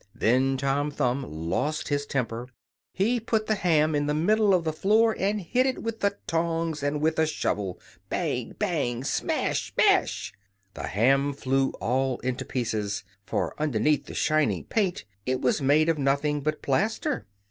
Then Tom Thumb lost his temper. He put the ham in the middle of the floor, and hit it with the tongs and with the shovel bang, bang, smash, smash! The ham flew all into pieces, for underneath the shiny paint it was made of nothing but plaster!